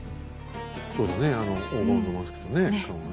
そうだねあの黄金のマスクとね顔がね。